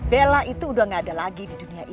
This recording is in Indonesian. bella itu udah gak ada lagi di dunia ini